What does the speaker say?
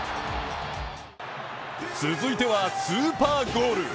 続いてはスーパーゴール。